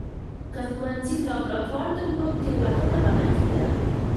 که ښوونځي لابراتوار درلود، تېروتنه به نه کېده.